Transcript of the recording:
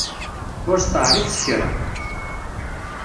Ur steεrif s kra!